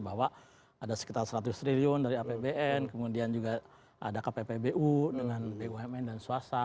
bahwa ada sekitar seratus triliun dari apbn kemudian juga ada kppbu dengan bumn dan swasta